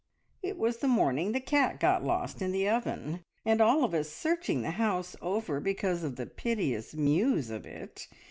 "It was the morning the cat got lost in the oven, and all of us searching the house over because of the piteous mews of it.